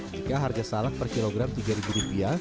jika harga salak per kilogram rp tiga